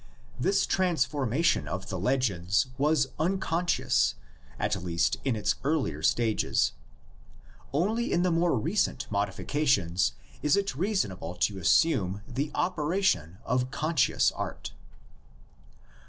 This transformation of the legends was unconscious, at least in its earlier stages. Only in the more recent modifications is it reasonable to assume the operation of conscious art.